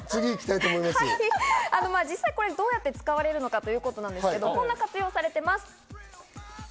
実際、どうやって使われるのかということですけど、こんな活用をされています。